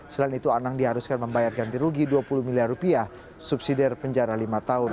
selain itu anang diharuskan membayar ganti rugi dua puluh miliar rupiah subsidi penjara lima tahun